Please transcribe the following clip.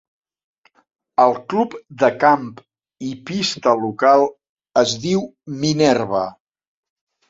El club de camp i pista local es diu Minerva.